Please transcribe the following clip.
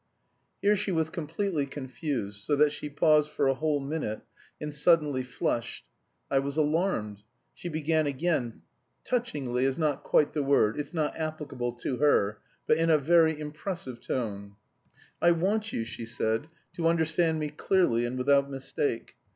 "Here she was completely confused, so that she paused for a whole minute, and suddenly flushed. I was alarmed. She began again touchingly is not quite the word, it's not applicable to her but in a very impressive tone: "'I want you,' she said, 'to understand me clearly and without mistake.